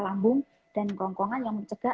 lambung dan kerongkongan yang mencegah